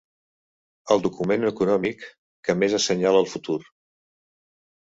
El document econòmic que més assenyala el futur.